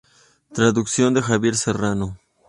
Traducción de Javier Serrano.